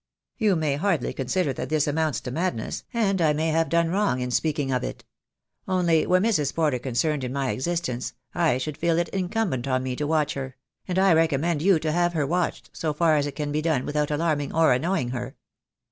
You may hardly consider that this amounts to madness, and I may have done wrong in speaking of it: only were Mrs. Porter concerned in my existence, I should feel it incumbent on me to watch her; and I recommend you to have her watched, so far as it can be done without alarming or annoying her."